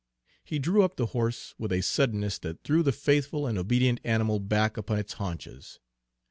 He drew up the horse with a suddenness that threw the faithful and obedient animal back upon its haunches.